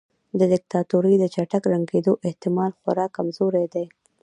د دیکتاتورۍ د چټک ړنګیدو احتمال خورا کمزوری دی.